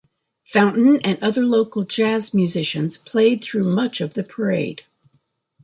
Fountain and other local jazz musicians played through much of the parade.